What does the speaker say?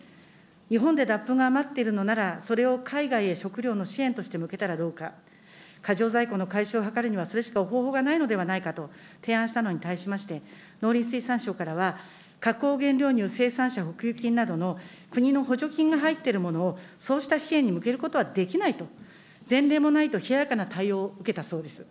日本で脱糞が余っているのなら、それを海外へ食料の支援として向けたらどうか、過剰在庫の解消を図るには、それしか方法がないのではないかと提案したのに対しまして、農林水産省からは加工原料乳生産者補給金などの国の補助金が入っているものを、そうした支援に向けることはできないと前例もないと冷ややかな対応を受けたそうです。